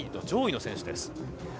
上位の選手です。